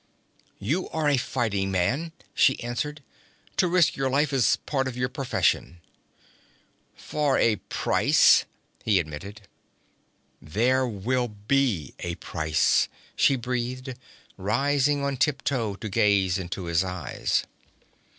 'You are a fighting man,' she answered. 'To risk your life is part of your profession.' 'For a price,' he admitted. 'There will be a price!' she breathed, rising on tiptoe, to gaze into his eyes.